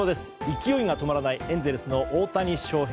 勢いが止まらないエンゼルスの大谷翔平。